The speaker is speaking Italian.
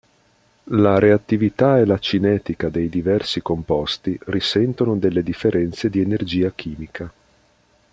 La reattività e la cinetica dei diversi composti risentono delle differenze di energia chimica.